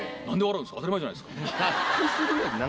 当たり前じゃないですか。